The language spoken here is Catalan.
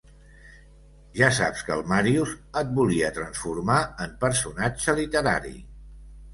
Ja saps que el Màrius et volia transformar en personatge literari.